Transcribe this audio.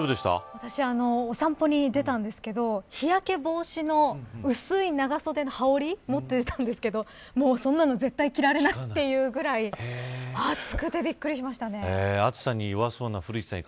私、お散歩に出たんですけど日焼け防止の薄い長袖の羽織を持っていたんですがそんなの絶対着られないぐらい暑くてびっ暑さに弱そうな古市さん